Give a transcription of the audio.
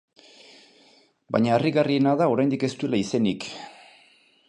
Baina harrigarriena da oraindik ez duela izenik.